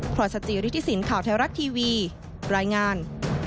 พรศจริษฐศิลป์ข่าวแท้รัฐทีวีรายงาน